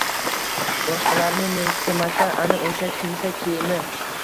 boshqalarni mensimasa, ana o‘sha kimsa – kiyimi